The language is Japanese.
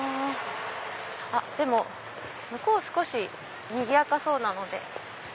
あっ向こう少しにぎやかそうなので。